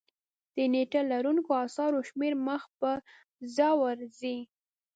د نېټه لرونکو اثارو شمېر مخ په ځوړ ځي.